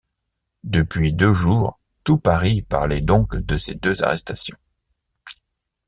Depuis deux jours, tout Paris parlait donc de ces deux arrestations.